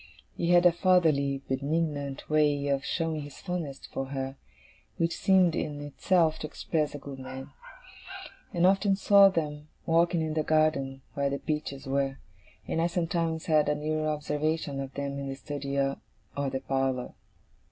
He had a fatherly, benignant way of showing his fondness for her, which seemed in itself to express a good man. I often saw them walking in the garden where the peaches were, and I sometimes had a nearer observation of them in the study or the parlour.